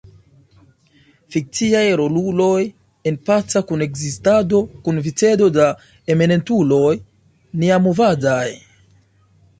Fikciaj roluloj en paca kunekzistado kun vicedo da eminentuloj niamovadaj.